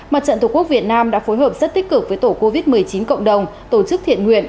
mặt trận tổ quốc việt nam đã phối hợp rất tích cực với tổ covid một mươi chín cộng đồng tổ chức thiện nguyện